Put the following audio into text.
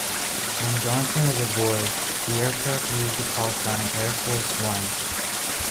When Johnson was aboard, the aircraft used the callsign Air Force One.